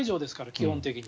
基本的に。